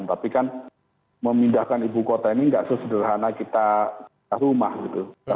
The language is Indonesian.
tapi kan memindahkan ibu kota ini nggak sesederhana kita rumah gitu